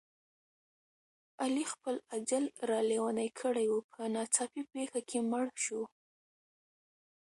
علي خپل اجل را لېونی کړی و، په ناڅاپي پېښه کې مړ شو.